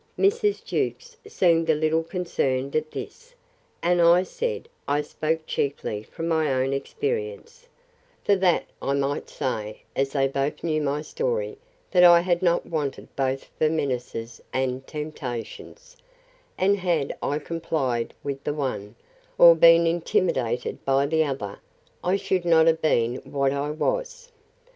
Mrs. Jewkes seemed a little concerned at this; and I said, I spoke chiefly from my own experience: For that I might say, as they both knew my story, that I had not wanted both for menaces and temptations; and had I complied with the one, or been intimidated by the other, I should not have been what I was.